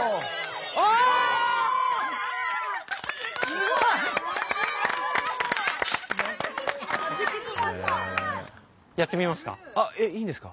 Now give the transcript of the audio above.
すごい！やってみますか？